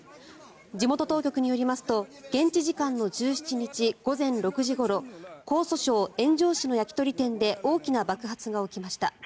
地元当局によりますと現地時間の１７日午前６時ごろ江蘇省塩城市の焼き鳥店で大きな爆発が起きました。